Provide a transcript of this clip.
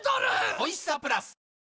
おいしさプラス